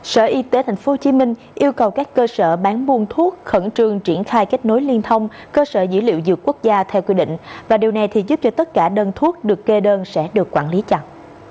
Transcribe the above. sở y tế tp hcm yêu cầu các cơ sở bán buôn thuốc khẩn trương triển khai kết nối liên thông cơ sở dữ liệu dược quốc gia theo quy định và điều này thì giúp cho tất cả đơn thuốc được kê đơn sẽ được quản lý chặt